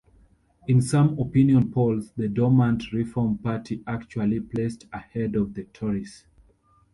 In some opinion polls, the dormant Reform Party actually placed ahead of the Tories.